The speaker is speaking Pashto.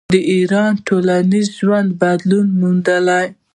د ایران ټولنیز ژوند بدلون موندلی.